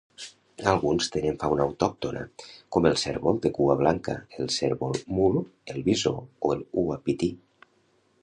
Alguns tenen fauna autòctona com el cérvol de cua blanca, el cérvol mul, el bisó o el uapití.